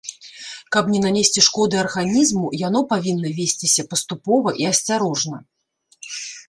Каб не нанесці шкоды арганізму, яно павінна весціся паступова і асцярожна.